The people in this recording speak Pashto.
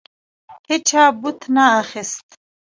هیچا بت نه اخیست.